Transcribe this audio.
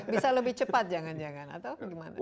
bisa lebih cepat jangan jangan atau gimana